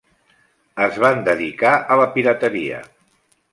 Es van dedicar a la pirateria.